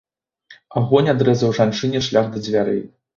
Агонь адрэзаў жанчыне шлях да дзвярэй.